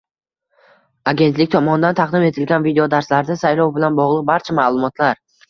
Agentlik tomonidan taqdim etilgan videodarslarda saylov bilan bog‘liq barcha ma’lumotlar